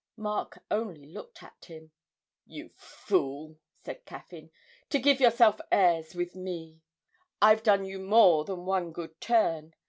Mark only looked at him. 'You fool,' said Caffyn, 'to give yourself airs with me. I've done you more than one good turn.